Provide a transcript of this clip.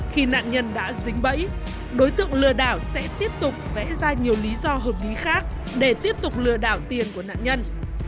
khi nạn nhân đã dính bẫy đối tượng lừa đảo sẽ tiếp tục vẽ ra nhiều lý do hợp lý khác để tiếp tục lừa đảo tiền của nạn nhân